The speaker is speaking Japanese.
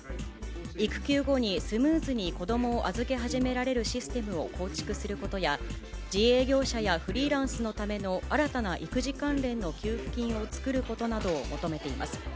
育休後にスムーズに子どもを預け始められるシステムを構築することや、自営業者やフリーランスのための新たな育児関連の給付金を作ることなどを求めています。